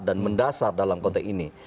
mendasar dalam konteks ini